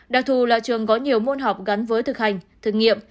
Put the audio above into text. đặc thù là trường có nhiều môn học gắn với thực hành thử nghiệm